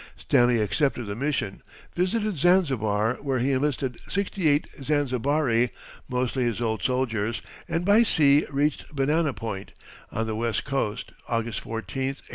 Stanley accepted the mission, visited Zanzibar, where he enlisted sixty eight Zanzibari, mostly his old soldiers, and by sea reached Banana Point, on the west coast, August 14, 1879.